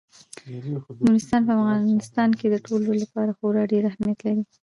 نورستان په افغانستان کې د ټولو لپاره خورا ډېر اهمیت لري.